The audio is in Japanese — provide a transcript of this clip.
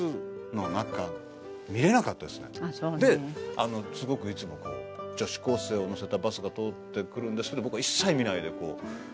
ですごくいつもこう女子高生を乗せたバスが通ってくるんですけど僕はうん。